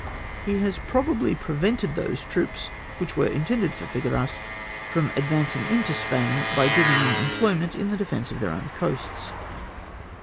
he has probably prevented those troops, wliich were intended for Figueras, from advancing into Spain, by giving them emplojrment in the defence of their own coasts."